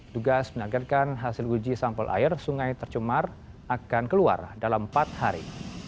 tugas menagarkan hasil uji sampel air sungai tercemar akan keluar dalam empat hari